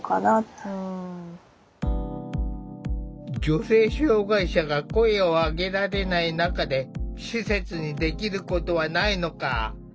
女性障害者が声を上げられない中で施設にできることはないのか？